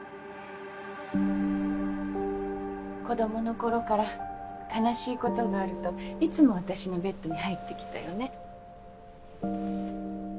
子供の頃から悲しいことがあるといつも私のベッドに入ってきたよね。